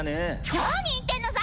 何言ってんのさ！